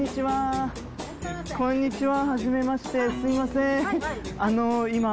こんにちは。